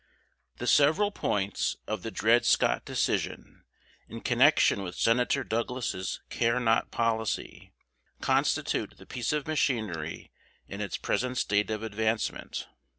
The several points of the Dred Scott Decision, in connection with Senator Douglas's "care not" policy, constitute the piece of machinery in its present state of advancement.